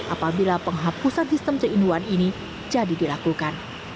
apabila penghapusan sistem tiga in satu ini jadi dilakukan